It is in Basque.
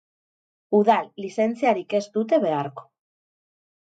Udal lizentziarik ere ez dute beharko.